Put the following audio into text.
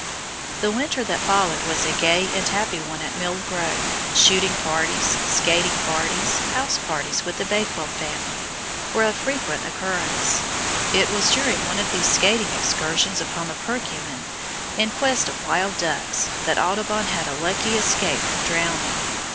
The winter that followed was a gay and happy one at Mill Grove; shooting parties, skating parties, house parties with the Bakewell family, were of frequent occurrence. It was during one of these skating excursions upon the Perkiomen in quest of wild ducks, that Audubon had a lucky escape from drowning.